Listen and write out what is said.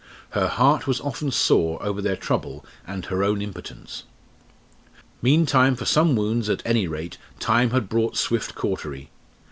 Her heart was often sore over their trouble and her own impotence. Meantime for some wounds, at any rate, time had brought swift cautery!